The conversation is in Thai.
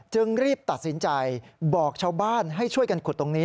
จึงรีบตัดสินใจบอกชาวบ้านให้ช่วยกันขุดตรงนี้